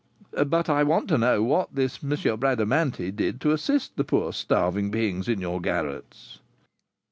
"But I want to know what this M. Bradamanti did to assist the poor starving beings in your garrets."